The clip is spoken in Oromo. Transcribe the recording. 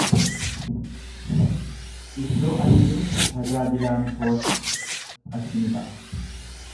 Iddoo ani jiru tajaajilaan koos achi ni ta’a.